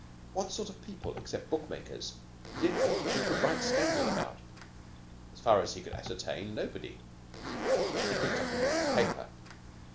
What sort of people except book makers did things you could write scandal about? As far as he could ascertain, nobody. He picked up the morning paper.